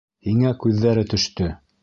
Һиңә күҙҙәре төштө.